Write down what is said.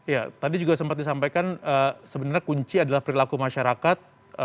ya tadi juga sempat disampaikan sebenarnya kunci adalah perilaku masyarakat